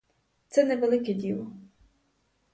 Це не велике діло.